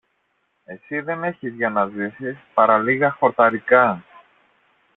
Εσύ δεν έχεις για να ζήσεις παρά λίγα χορταρικά